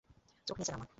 চোখ নিচে নামা!